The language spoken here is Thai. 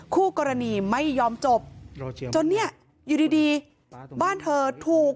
คู่กรณีไม่ยอมจบจนเนี่ยอยู่ดีบ้านเธอถูก